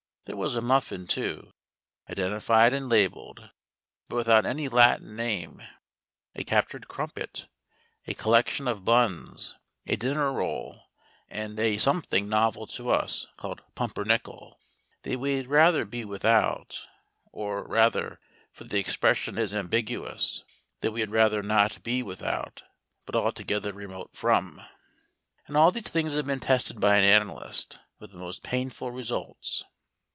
There was a muffin, too, identified and labelled, but without any Latin name, a captured crumpet, a collection of buns, a dinner roll, and a something novel to us, called Pumpernickel, that we had rather be without, or rather for the expression is ambiguous that we had rather not be without, but altogether remote from. And all these things have been tested by an analyst, with the most painful results.